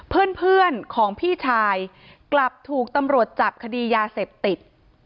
เพื่อนของพี่ชายกลับถูกตำรวจจับคดียาเสพติด